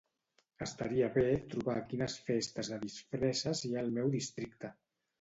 Estaria bé trobar quines festes de disfresses hi ha al meu districte.